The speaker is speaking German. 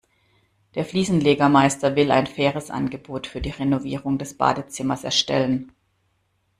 Der Fliesenlegermeister will ein faires Angebot für die Renovierung des Badezimmers erstellen.